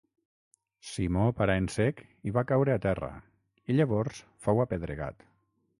Simó parà en sec i va caure a terra, i llavors fou apedregat.